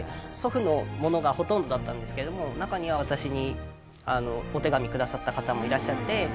祖父のものがほとんどだったんですけれども中には私にお手紙くださった方もいらっしゃって。